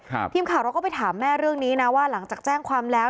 ทีมข่าวเราก็ไปถามแม่เรื่องนี้นะว่าหลังจากแจ้งความแล้ว